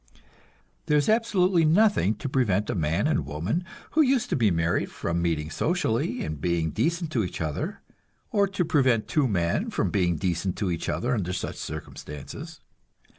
There is absolutely nothing to prevent a man and woman who used to be married from meeting socially and being decent to each other, or to prevent two men from being decent to each other under such circumstances.